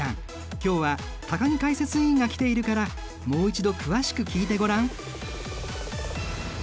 今日は高木解説員が来ているからもう一度詳しく聞いてごらん。